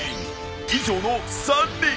以上の３人！